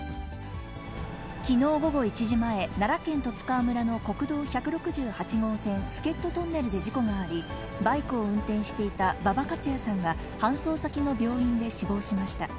きのう午後１時前、奈良県十津川村の国道１６８号線助人トンネルで事故があり、バイクを運転していた馬場勝也さんが、搬送先の病院で死亡しました。